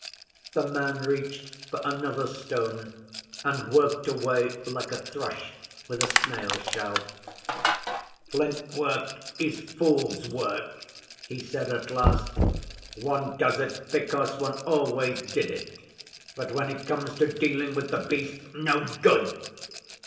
The man reached for another stone, and worked away like a thrush with a snail shell. 'Flint work is fool's work,' he said at last. 'One does it because one always did it; but when it comes to dealing with The Beast no good!